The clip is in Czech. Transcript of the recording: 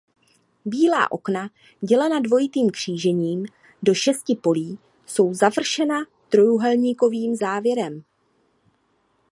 Bílá okna dělená dvojitým křížením do šesti polí jsou završena trojúhelníkovým závěrem.